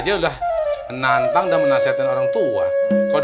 jangan jangan dibakar